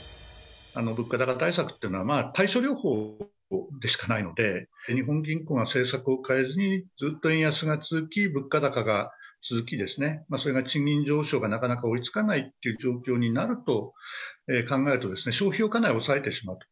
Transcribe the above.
物価高対策というのは対症療法でしかないので、日本銀行が政策を変えずにずっと円安が続き、物価高が続き、それがちんぎんじょうしょうがなかなか追いつかないっていう状況になると考えると、消費をかなり抑えてしまうと。